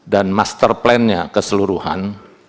dan master plan nya keseluruhan